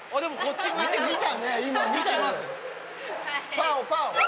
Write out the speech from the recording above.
パオパオ。